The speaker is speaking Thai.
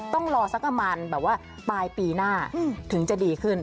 ต้องรอสักประมาณแบบว่าปลายปีหน้าถึงจะดีขึ้น